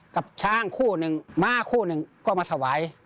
กับช้างคู่หนึ่งม้าคู่หนึ่งก็มาถวาย